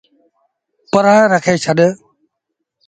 پرآن رکي ڇڏ۔